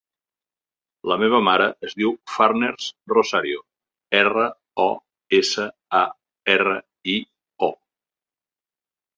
La meva mare es diu Farners Rosario: erra, o, essa, a, erra, i, o.